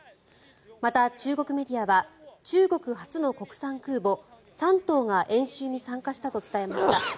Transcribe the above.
また中国メディアは中国初の国産空母「山東」が演習に参加したと伝えました。